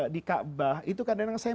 di kaabah itu kadang kadang saya